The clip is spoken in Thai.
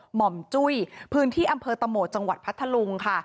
ห่อมจุ้ยพื้นที่อำเภอตะโหมดจังหวัดพัทธลุงค่ะ